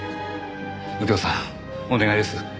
右京さんお願いです。